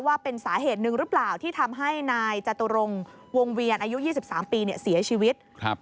ว่าเป็นสาเหตุหนึ่งหรือเปล่าที่ทำให้นายจตุรงวงเวียนอายุ๒๓ปีเสียชีวิต